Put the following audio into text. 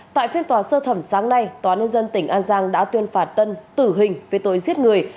tại phiên tòa sơ thẩm sáng nay tòa nhân dân tỉnh an giang đã tuyên phạt tân tử hình về tội giết người